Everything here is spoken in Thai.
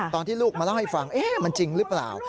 ตอนที่ลูกมาเล่าให้ฟังมันจริงหรือเปล่า